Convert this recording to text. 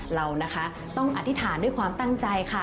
เรานะคะต้องอธิษฐานด้วยความตั้งใจค่ะ